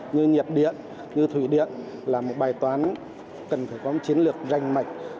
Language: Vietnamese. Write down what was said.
như nhiệt điện như thủy điện là một bài toán cần phải có một chiến lược ranh mạch